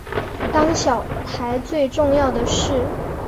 当小孩最重要的事